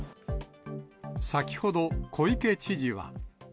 先ほど、小池知事は。